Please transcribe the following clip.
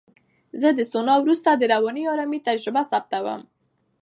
زه د سونا وروسته د رواني آرامۍ تجربه ثبتوم.